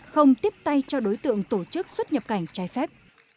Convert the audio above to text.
không tiếp tay cho đối tượng tổ chức xuất nhập cảnh trái phép